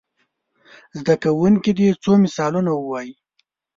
زده کوونکي دې څو مثالونه ووايي.